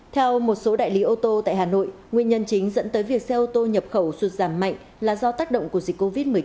theo một số đại lý ô tô tại hà nội nguyên nhân chính dẫn tới việc xe ô tô nhập khẩu sụt giảm mạnh là do tác động của dịch covid một mươi chín